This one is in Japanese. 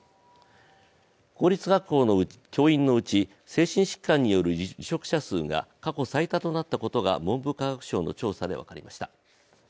公立学校の教員のうち精神疾患による離職者数が過去最多となったことが文部科学省の調査で分かりました。